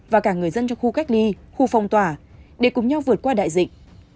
và cả người dân trong khu cách ly khu phong tỏa để cùng nhau vượt qua đại dịch